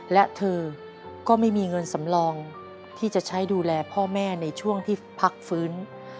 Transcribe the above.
และเธอก็ไม่มีเงินสำรองที่จะใช้ดูแลพ่อแม่ในช่วงที่พักฟื้น